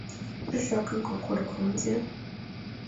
他需要更广阔的空间。